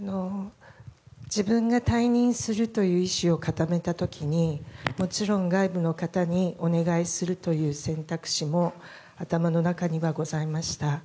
自分が退任するという意思を固めた時にもちろん外部の方にお願いするという選択肢も頭の中にはございました。